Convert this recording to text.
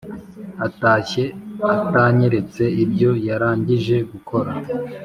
Atashye atanyeretse ibyo yarangije gukora